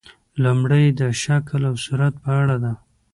لومړۍ یې د شکل او صورت په اړه ده.